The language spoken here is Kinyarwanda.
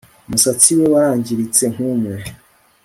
Umusatsi we wangiritse nkumwe